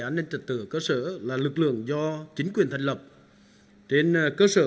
an ninh trật tự ở cơ sở là lực lượng do chính quyền thành lập trên cơ sở